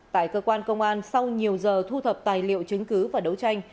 tại cơ quan công an sau nhiều giờ thu thập tài liệu chứng cứ và đấu tranh